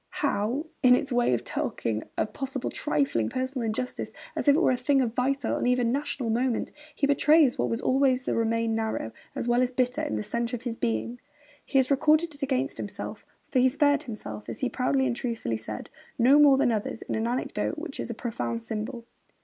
How, in its way of taking a possible trifling personal injustice as if it were a thing of vital and even national moment, he betrays what was always to remain narrow, as well as bitter, in the centre of his being! He has recorded it against himself (for he spared himself, as he proudly and truthfully said, no more than others) in an anecdote which is a profound symbol.